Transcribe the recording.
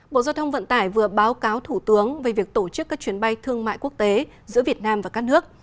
bộ giao thông vận tải vừa báo cáo thủ tướng về việc tổ chức các chuyến bay thương mại quốc tế giữa việt nam và các nước